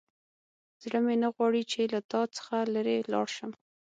زړه مې نه غواړي چې له تا څخه لیرې لاړ شم.